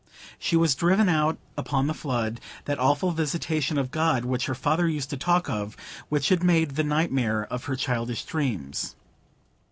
She was driven out upon the flood,—that awful visitation of God which her father used to talk of; which had made the nightmare of her childish dreams.